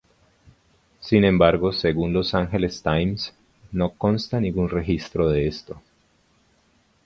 Sin embargo, según Los Angeles Times, no consta ningún registro de esto.